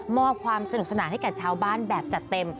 มอบความสนุกสนานให้กับชาวบ้านแบบจัดเต็ม